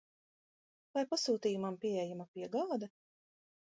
Vai pasūtījumam pieejama piegāde?